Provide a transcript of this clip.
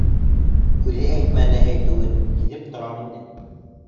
Үҙе әйтмәне әйтеүен. һиҙеп торам инде.